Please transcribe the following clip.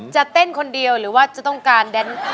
จะเต้นคนเดียวหรือจะต้องการ